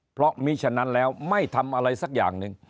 เพราะมีฉะนั้นแล้วไม่ทำอะไรสักอย่างหนึ่ง